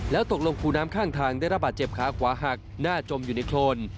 แล้วตกลงคูน้ำข้างทางได้ระบาดเจ็บขาขวาหักหน้าจมอยู่ในโครน